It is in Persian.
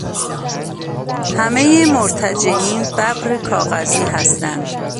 همهٔ مرتجعین ببر کاغذی هستند.